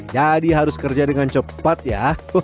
jadi harus kerja dengan cepat ya